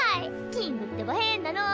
キングってば変なの。